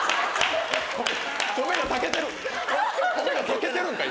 米が炊けてるんか⁉今。